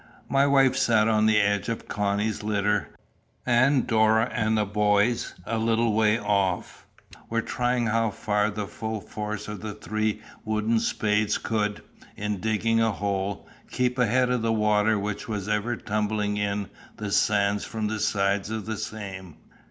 My wife sat on the end of Connie's litter, and Dora and the boys, a little way off, were trying how far the full force of three wooden spades could, in digging a hole, keep ahead of the water which was ever tumbling in the sand from the sides of the same.